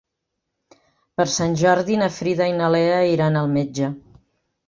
Per Sant Jordi na Frida i na Lea iran al metge.